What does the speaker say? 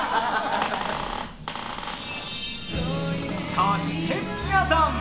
そしてみやぞん！